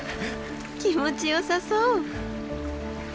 気持ちよさそう！